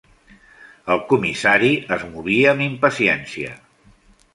El comissari es movia amb impaciència.